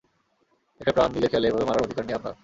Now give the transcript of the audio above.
একটা প্রাণ নিজের খেয়ালে এভাবে মারার অধিকার নেই আপনার।